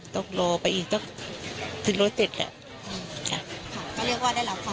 ต้องรอไปอีกสักสิ้นรถเสร็จแหละอืมค่ะเขาเรียกว่าได้รับความ